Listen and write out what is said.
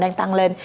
đang tăng lên